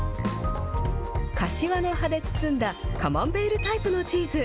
かしわの葉で包んだカマンベールタイプのチーズ。